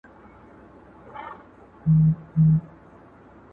غریب او ناداره کسان مجبوره دي